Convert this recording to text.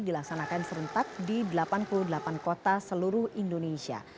dilaksanakan serentak di delapan puluh delapan kota seluruh indonesia